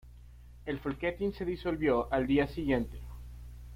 El Folketing se disolvió al día siguiente.